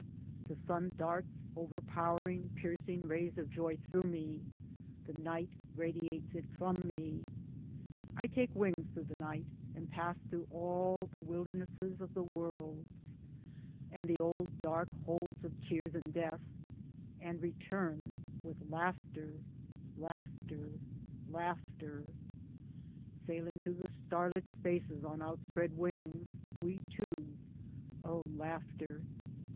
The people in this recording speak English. The sun darts overpowering piercing rays of joy through me, the night radiates it from me. I take wings through the night and pass through all the wildernesses of the worlds, and the old dark holds of tears and death — and return with laughter, laughter, laughter : Sailing through the starlit spaces on outspread wings, we two — O laughter